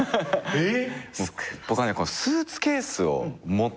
えっ！？